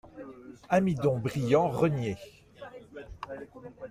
Amidon Brillant Rénier.